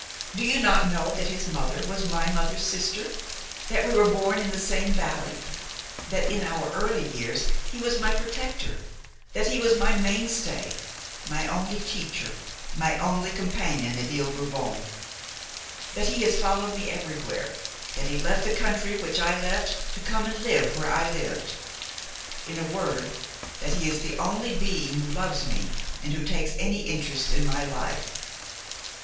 do you not know that his mother was my mother's sister? that we were born in the same valley; that in our early years he was my protector; that he was my mainstay, my only teacher, my only companion at Ile Bourbon; that he has followed me everywhere; that he left the country which I left, to come and live where I lived; in a word, that he is the only being who loves me and who takes any interest in my life?"